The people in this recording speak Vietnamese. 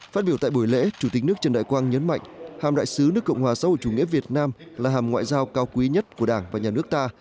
phát biểu tại buổi lễ chủ tịch nước trần đại quang nhấn mạnh hàm đại sứ nước cộng hòa xã hội chủ nghĩa việt nam là hàm ngoại giao cao quý nhất của đảng và nhà nước ta